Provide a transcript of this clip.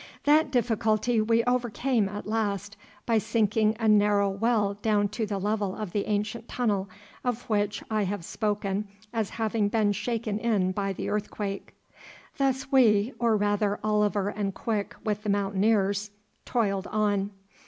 That difficulty we overcame at last by sinking a narrow well down to the level of the ancient tunnel of which I have spoken as having been shaken in by the earthquake. Thus we, or rather Oliver and Quick with the Mountaineers, toiled on.